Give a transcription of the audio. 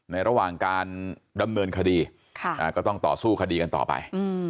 ระหว่างการดำเนินคดีก็ต้องต่อสู้คดีกันต่อไป